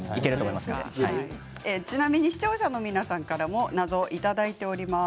ちなみに視聴者の皆さんからも謎をいただいています。